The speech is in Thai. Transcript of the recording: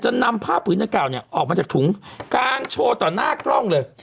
นำผ้าผืนดังกล่าวเนี่ยออกมาจากถุงกางโชว์ต่อหน้ากล้องเลย